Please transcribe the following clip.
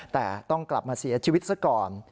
แต่ต้องกลับมาเสียชีวิตซะก่อน